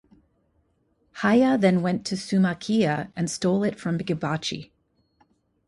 Haya then went to Sumakia and stole it from Gibachi.